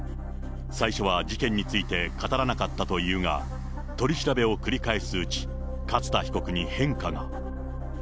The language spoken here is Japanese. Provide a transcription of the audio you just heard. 最初は事件について語らなかったというが、取り調べを繰り返すうち、勝田被告に変化が。